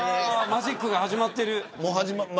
マジックが始まってる。